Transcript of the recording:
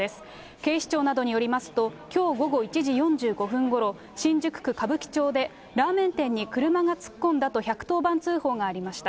警視庁などによりますと、きょう午後１時４５分ごろ、新宿区歌舞伎町でラーメン店に車が突っ込んだと１１０番通報がありました。